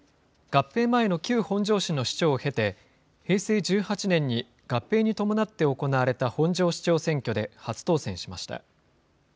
合併前の旧本庄市の市長を経て、平成１８年に合併に伴って行われた本庄市長選挙で初当選しました。